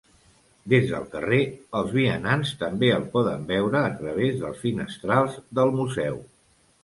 Des del carrer, els vianants també el poden veure a través dels finestrals del museu.